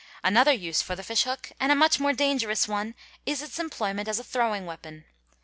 : Another use for the fishhook, and a much more dangerous one, is its' employment as a throwing weapon.